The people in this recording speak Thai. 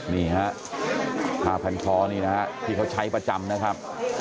นี่ฮะผ้าพันคอนี่นะฮะที่เขาใช้ประจำนะครับ